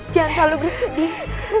jangan selalu bersedih